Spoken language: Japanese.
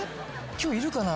今日いるかな？